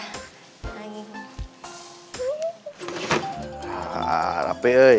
hah rapi ee